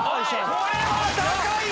これは高いぞ！